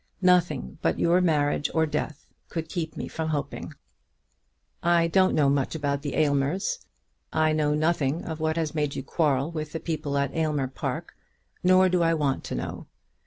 Nothing but your marriage or death could keep me from hoping. I don't know much about the Aylmers. I know nothing of what has made you quarrel with the people at Aylmer Park; nor do I want to know.